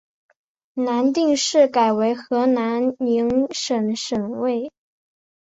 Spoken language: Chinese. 南定市改为河南宁省省莅。